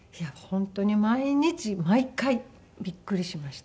本当に毎日毎回ビックリしました。